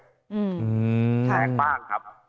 แทงบ้างครับ